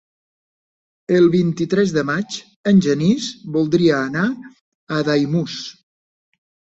El vint-i-tres de maig en Genís voldria anar a Daimús.